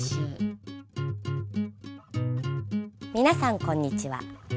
皆さんこんにちは。